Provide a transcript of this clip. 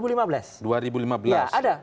ya ada petikanya ada